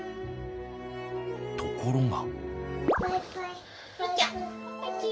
ところが。